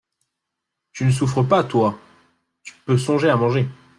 Tu ne souffres pas, toi ! tu peux songer à manger !…